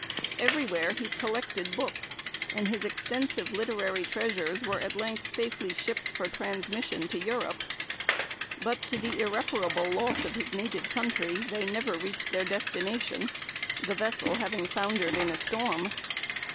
Everywhere he collected books, and his extensive literary treasures were at length safely shipped for transmission to Europe, but, to the irreparable loss of his native country, they never reached their destination, the vessel having foundered in a storm.